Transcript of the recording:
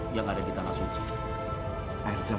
jangan ambil kesucianku